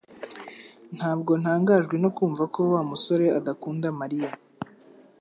Ntabwo ntangajwe no kumva ko Wa musore adakunda Mariya